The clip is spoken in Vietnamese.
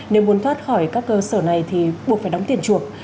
nếu muốn thoát khỏi các cơ sở này thì buộc phải đóng tiền chuộc